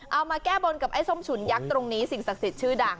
เอามาแก้บนกับไอ้ส้มฉุนยักษ์ตรงนี้สิ่งศักดิ์สิทธิ์ชื่อดัง